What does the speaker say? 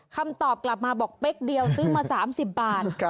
คำตอบกลับมาบอกเป๊กเดียวซื้อมา๓๐บาท